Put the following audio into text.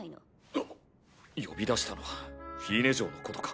あっ呼び出したのはフィーネ嬢のことか。